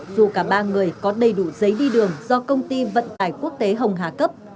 dù cả ba người có đầy đủ giấy đi đường do công ty vận tải quốc tế hồng hà cấp